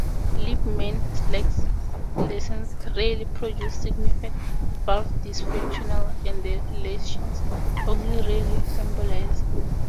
Libman-Sacks lesions rarely produce significant valve dysfunction and the lesions only rarely embolize.